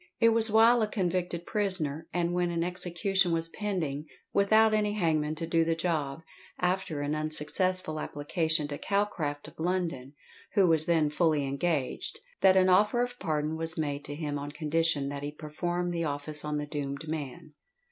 It was while a convicted prisoner and when an execution was pending without any hangman to do the "job," after an unsuccessful application to Calcraft of London, who was then fully engaged, that an offer of pardon was made to him on condition that he performed the office on the doomed man.